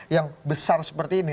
yang besar seperti ini